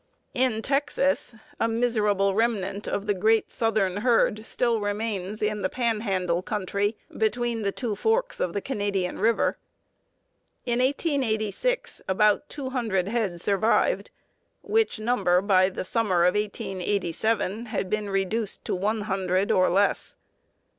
In Texas a miserable remnant of the great southern herd still remains in the "Pan handle country," between the two forks of the Canadian River. In 1886 about two hundred head survived, which number by the summer of 1887 had been reduced to one hundred, or less.